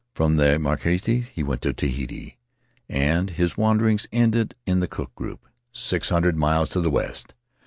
From the Marquesas he went to Tahiti, and his wanderings ended in the Cook group, six hundred A Memory of Mauke miles to the west.